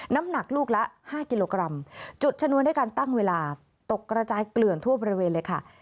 น้ำหนักลูกละ๕กิโลกรัมจุดชนวนด้วยการตั้งเวลาตกกระจายเกลื่อนทั่วบริเวณเลยค่ะ